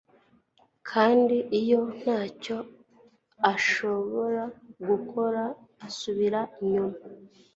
Kandi iyo ntacyo ashobora gukora, asubira inyuma